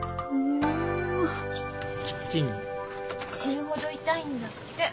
死ぬほど痛いんだって。